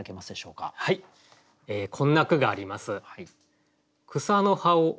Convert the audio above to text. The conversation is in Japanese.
こんな句があります。